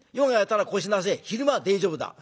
昼間は大丈夫だ」。